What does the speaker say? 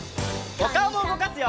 おかおもうごかすよ！